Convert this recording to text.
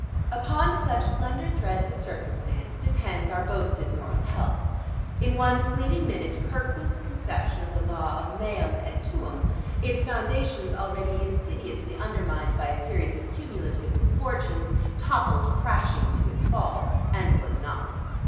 Upon such slender threads of circumstance depends our boasted moral health. In one fleeting minute Kirkwood's conception of the law of meum et tuum, its foundations already insidiously undermined by a series of cumulative misfortunes, toppled crashing to its fall; and was not.